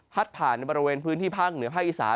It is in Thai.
ผ่านในบริเวณพื้นที่ภาคเหนือภาคอีสาน